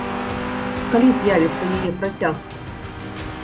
Калі з'явіцца яе працяг?